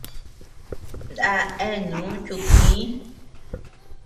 Na eanuu dudtï.